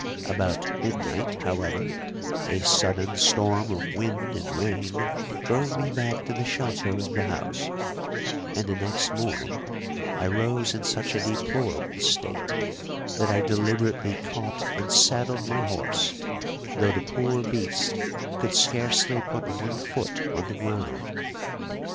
About midnight, however, a sudden storm of wind and rain drove me back to the shelter of the house, and the next morning I rose in such a deplorable state that I deliberately caught and saddled my horse, though the poor beast could scarcely put one foot on the ground.